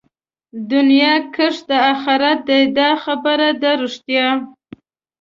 دنيا کښت د آخرت دئ دا خبره ده رښتيا